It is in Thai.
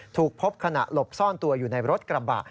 ถูกพบขณะหลบซ่อนตัวอยู่ในรถกระบะ